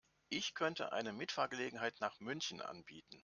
Ich könnte eine Mitfahrgelegenheit nach München anbieten